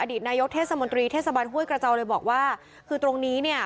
ตนายกเทศมนตรีเทศบาลห้วยกระเจ้าเลยบอกว่าคือตรงนี้เนี่ย